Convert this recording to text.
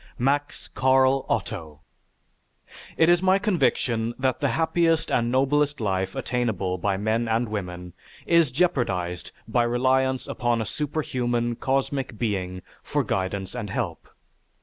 MAX CARL OTTO It is my conviction that the happiest and noblest life attainable by men and women is jeopardized by reliance upon a superhuman, cosmic being for guidance and help.